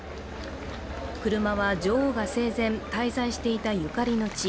車は女王が生前滞在していたゆかりの地